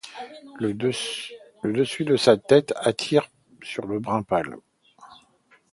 Le dessus de sa tête tire sur le brun pâle.